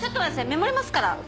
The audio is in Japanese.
メモりますから。